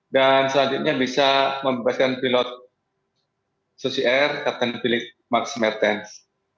dan selanjutnya bisa membebaskan pilot sosier kapten filip maximertens